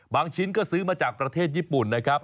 ชิ้นก็ซื้อมาจากประเทศญี่ปุ่นนะครับ